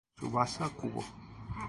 Tsubasa Kubo